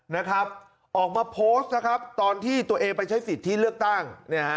นะครับออกมาโพสต์นะครับตอนที่ตัวเองไปใช้สิทธิเลือกตั้งเนี่ยฮะ